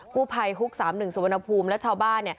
กู้ภัยฮุก๓๑สุวรรณภูมิและชาวบ้าน